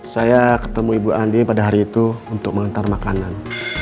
saya ketemu ibu andi pada hari itu untuk mengantar makanan